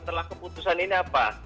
setelah keputusan ini apa